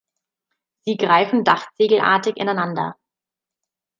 Sie greifen dachziegelartig ineinander.